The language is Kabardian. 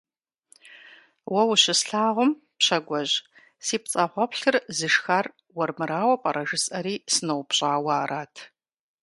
Уэ ущыслъагъум, Пщагуэжь, си пцӀагъуэплъыр зышхар уэрмырауэ пӀэрэ жысӀэри сыноупщӀауэ арат.